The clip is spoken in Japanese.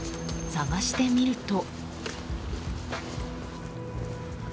探してみると。